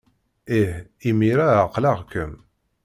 Ih, imir-a ɛeqleɣ-kem!